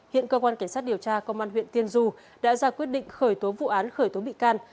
hiện cơ quan cảnh sát điều tra công an huyện tiên du đã ra quyết định khởi tố vụ án khởi tố bị can